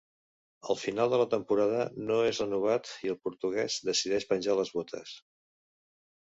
Al final de la temporada, no és renovat i el portugués decideix penjar les botes.